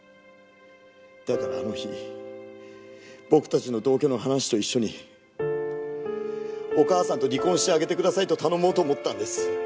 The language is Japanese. だからあの日僕たちの同居の話と一緒にお義母さんと離婚してあげてくださいと頼もうと思ったんです。